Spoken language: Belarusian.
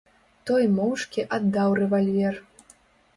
Той моўчкі аддаў рэвальвер.